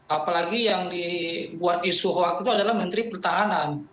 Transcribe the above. apalagi yang dibuat isu hoax itu adalah menteri pertahanan